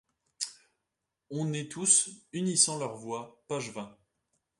On Et tous, unissant leurs voix… Page vingt.